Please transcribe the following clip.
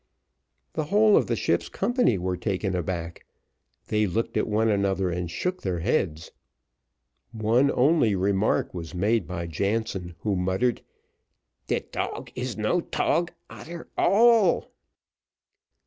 The whole of the ship's company were taken aback they looked at one another and shook their heads one only remark was made by Jansen, who muttered, "De tog is no tog a'ter all."